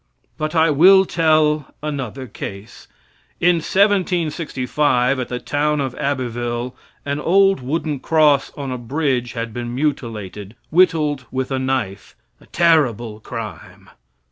But I will tell another case: In 1765 at the town of Abbeville an old wooden cross on a bridge had been mutilated whittled with a knife a terrible crime.